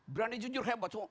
berani jujur hebat semua